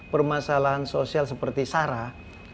permasalahan sosial seperti sarah